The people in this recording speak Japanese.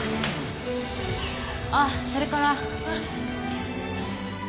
ああそれから。